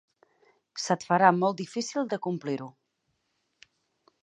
Se't farà molt difícil de complir-ho.